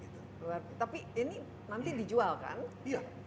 tapi ini nanti dijual kan